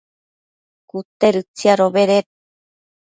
cute tsiadobeded